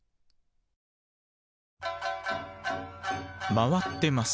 回ってます。